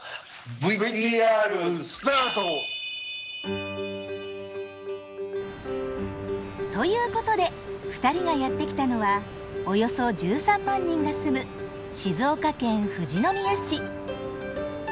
ＶＴＲスタート。ということで２人がやって来たのはおよそ１３万人が住む静岡県富士宮市。